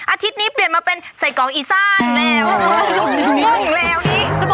อาทิตย์นี้เปลี่ยนมาเป็นไส้กรอกอีสานแล้วโอ้โฮโน่งแล้ว